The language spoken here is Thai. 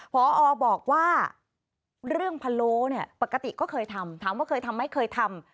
พอบอกว่าเรื่องพะโล้เนี่ยปกติก็เคยทำถามว่าเคยทำไม่เคยทำ